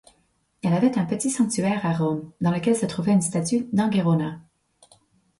Elle avait un petit sanctuaire à Rome, dans lequel se trouvait une statue d'Angerona.